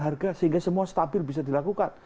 harga sehingga semua stabil bisa dilakukan